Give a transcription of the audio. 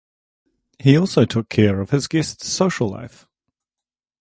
He also took care of his guests' social life.